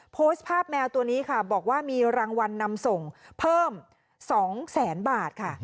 โพสต์ภาพแมวตัวนี้ค่ะบอกว่ามีรางวัลนำส่งเพิ่ม๒แสนบาทค่ะ